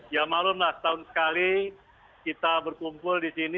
ya malam lah setahun sekali kita berkumpul di sini